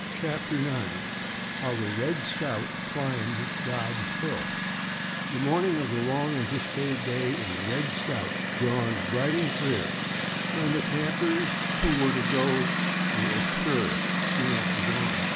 '" CHAPTER IX HOW THE "RED SCOUT" CLIMBED DOBB'S HILL The morning of the long anticipated day in the "Red Scout" dawned bright and clear, and the campers who were to go were astir soon after dawn.